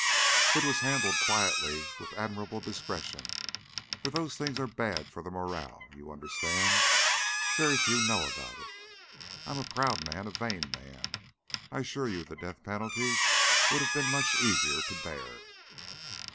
It was handled quietly, with admirable discretion, for those things are bad for the morale, you understand? Very few know about it. I'm a proud man, a vain man; I assure you the death penalty would have been much easier to bear."